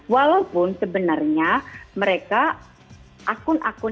walaupun sebenarnya mereka akun akunnya itu sangat banyak